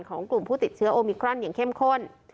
ของกลุ่มผู้ติดเชื้อโอมิครอนอย่างเข้มข้น